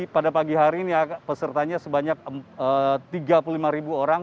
pada pagi hari ini pesertanya sebanyak tiga puluh lima ribu orang